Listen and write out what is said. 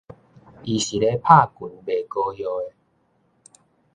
伊是咧拍拳賣膏藥的